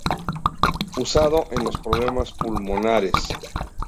Usado en los problemas pulmonares.